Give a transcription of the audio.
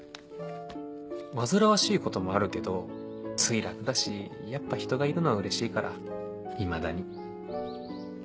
煩わしいこともあるけどつい楽だしやっぱ人がいるのはうれしいからいまだに。